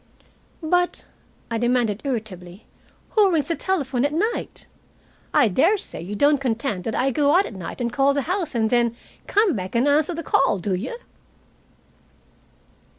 "But," I demanded irritably, "who rings the telephone at night? I daresay you don't contend that I go out at night and call the house, and then come back and answer the call, do you?"